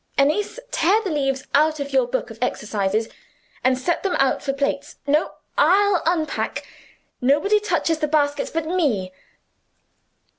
Annis, tear the leaves out of your book of exercises, and set them out for plates. No! I'll unpack; nobody touches the baskets but me.